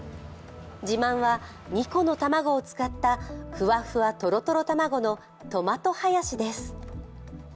自慢は２個の卵を使ったふわふわとろとろ卵のトマト＆ハヤシです。